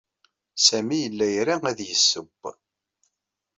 Sami yella ira ad yesseww.